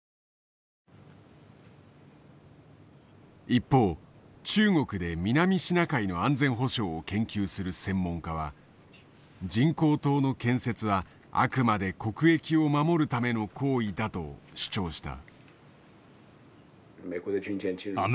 一方中国で南シナ海の安全保障を研究する専門家は人工島の建設はあくまで国益を守るための行為だと主張した。